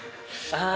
ああ。